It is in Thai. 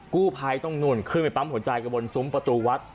กู้ภัยต้องนู่นขึ้นไปปั๊มหัวใจกันบนซุ้มประตูวัด